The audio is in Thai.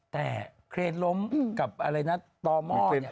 แต่เครนล้มกับอะไรนะต่อหม้อเนี่ย